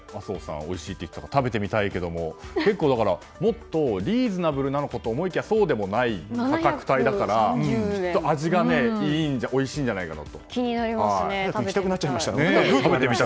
おいしいって言ってたから食べてみたいけどもっとリーズナブルなのかと思いきやそうでもない価格帯だからきっと味が行きたくなっちゃいましたね。